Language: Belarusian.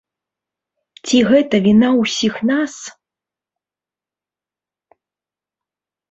Ці гэта віна ўсіх нас?